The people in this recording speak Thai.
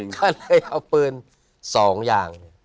ก็เลยเอาปืน๒อย่าง